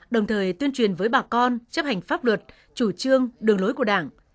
đồng thời tuyên truyền với bà con chấp hành pháp luật chủ trương đường lối của đảng